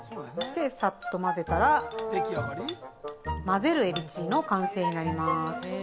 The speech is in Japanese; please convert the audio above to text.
そして、さっと混ぜたら混ぜるエビチリの完成になります。